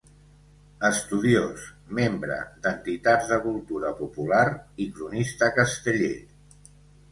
Estudiós, membre d'entitats de cultura popular i cronista casteller.